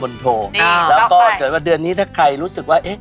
แล้วก็เดือนนี้ถ้าใครรู้สึกว่า